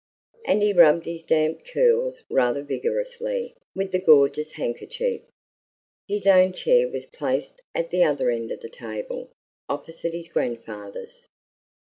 And he rubbed his damp curls rather vigorously with the gorgeous handkerchief. His own chair was placed at the other end of the table, opposite his grandfather's.